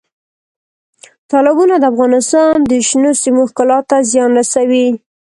تالابونه د افغانستان د شنو سیمو ښکلا ته زیان رسوي.